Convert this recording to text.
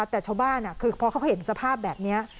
แต่ชาวบ้านคือพอเขาเห็นสภาพแบบนี้